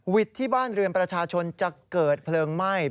ที่บ้านเรือนประชาชนจะเกิดเพลิงไหม้